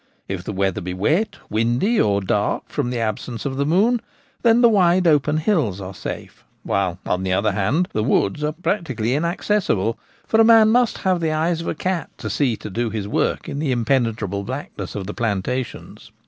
If the weather be wet, windy, or dark from the absence of the moon, then the wide open hills are safe ; while, on the other hand, the woods are practically inaccessible, for a man must have the eyes of a cat to see to do his work in the impenetrable blackness of the plantations.